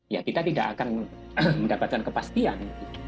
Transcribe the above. ya kita tidak akan mendapatkan kepastian